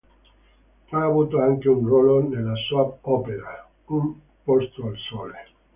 Ha avuto anche un ruolo nella soap opera "Un posto al sole".